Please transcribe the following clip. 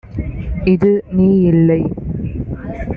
இது நீ இல்லை